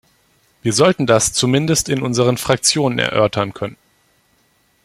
Wir sollten das zumindest in unseren Fraktionen erörtern können.